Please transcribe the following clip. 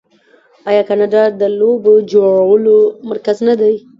آیا کاناډا د لوبو جوړولو مرکز نه دی؟